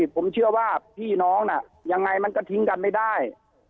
ผมเชื่อว่าพี่น้องน่ะยังไงมันก็ทิ้งกันไม่ได้